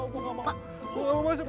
aku gak mau masuk